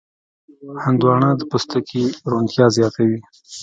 هندوانه د پوستکي روڼتیا زیاتوي.